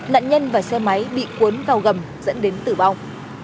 nạn nhân và xe máy bị cuốn vào gầm dẫn đến tử vong